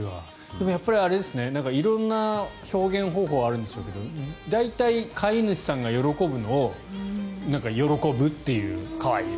でも、やっぱり色んな表現方法があるんでしょうけど大体飼い主さんが喜ぶのを喜ぶという。